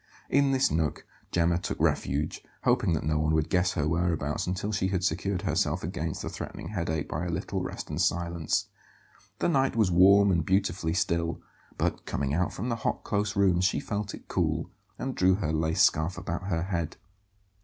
In this nook Gemma took refuge, hoping that no one would guess her whereabouts until she had secured herself against the threatening headache by a little rest and silence. The night was warm and beautifully still; but coming out from the hot, close rooms she felt it cool, and drew her lace scarf about her head.